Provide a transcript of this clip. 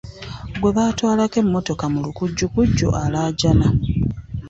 Gwe batwalako emmotoka mu lukujukuju alaajana.